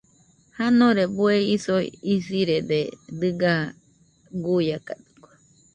Janore bue isoi isɨrede dɨga guiakadɨkue.